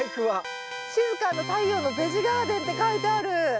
「しづか＆太陽のベジガーデン」って書いてある。